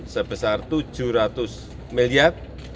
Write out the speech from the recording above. sebesar tujuh ratus miliar